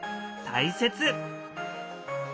大切。